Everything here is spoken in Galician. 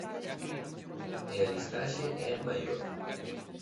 E a listaxe é maior.